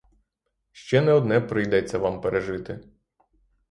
Ще не одне прийдеться вам пережити.